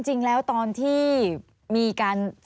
จริงแล้วตอนที่มีการ